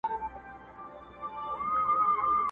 چي قلا د یوه ورور یې آبادیږي!